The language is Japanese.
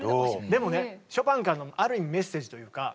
でもねショパンからのある意味メッセージというか。